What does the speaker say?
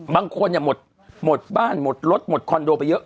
บางคนหมดบ้านหมดรถหมดคอนโดไปเยอะ